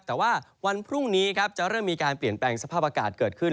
แต่ว่าวันพรุ่งนี้ครับจะเริ่มมีการเปลี่ยนแปลงสภาพอากาศเกิดขึ้น